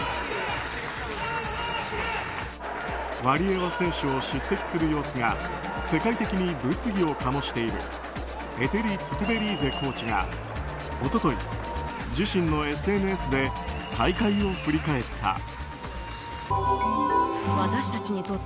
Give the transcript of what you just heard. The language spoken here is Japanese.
ワリエワ選手を叱責する様子が世界的に物議を醸しているエテリ・トゥトベリーゼコーチが一昨日、自身のＳＮＳで大会を振り返った。